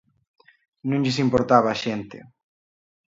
Non lles importaba a xente.